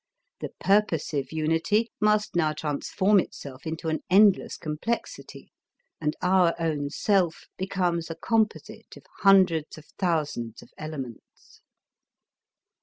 The purposive unity must now transform itself into an endless complexity, and our own self becomes a composite of hundreds of thousands of elements.